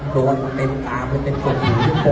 โดนเต็มตาเต็มกรมหู